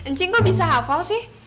encing kok bisa hafal sih